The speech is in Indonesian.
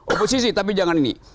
oposisi tapi jangan ini